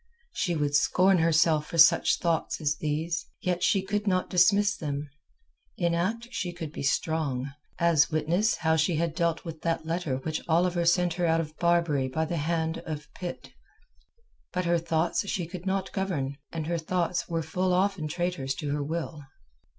She would scorn herself for such thoughts as these, yet she could not dismiss them. In act she could be strong—as witness how she had dealt with that letter which Oliver sent her out of Barbary by the hand of Pitt—but her thoughts she could not govern, and her thoughts were full often traitors to her will.